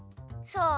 そう。